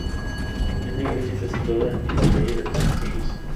Esta iglesia está situada en la calle de los Castillos.